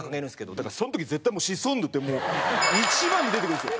だからその時絶対「シソンヌ」ってもう一番に出てくるんですよ。